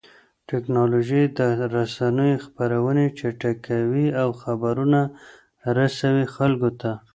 ټکنالوژي د رسنيو خپرونې چټکې کوي او خبرونه رسوي خلکو ته.